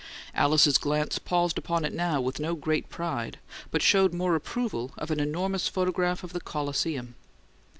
Alice's glance paused upon it now with no great pride, but showed more approval of an enormous photograph of the Colosseum.